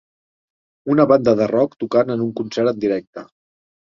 Una banda de rock tocant en un concert en directe.